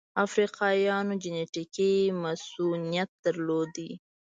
افریقایانو جنټیکي مصوونیت درلود.